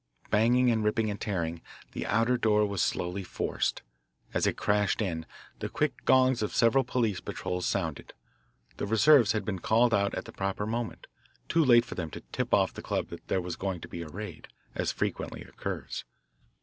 Banging and ripping and tearing, the outer door was slowly forced. As it crashed in, the quick gongs of several police patrols sounded. The reserves had been called out at the proper moment, too late for them to "tip off" the club that there was going to be a raid, as frequently occurs.